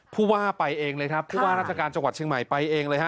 ผู้ว่าไปเองเลยครับ